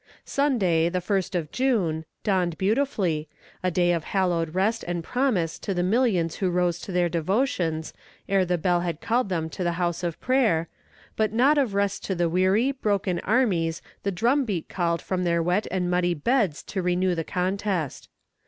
Sunday, the first of June, dawned beautifully, a day of hallowed rest and promise to the millions who rose to their devotions, ere the bell called them to the house of prayer, but not of rest to the weary, broken armies the drum beat called from their wet and muddy beds to renew the contest.